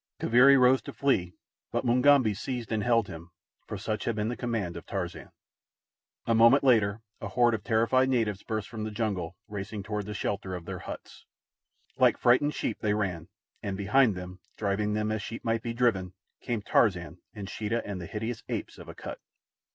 Kaviri rose to flee, but Mugambi seized and held him, for such had been the command of Tarzan. A moment later a horde of terrified natives burst from the jungle, racing toward the shelter of their huts. Like frightened sheep they ran, and behind them, driving them as sheep might be driven, came Tarzan and Sheeta and the hideous apes of Akut.